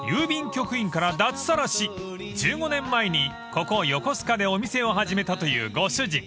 局員から脱サラし１５年前にここ横須賀でお店を始めたというご主人］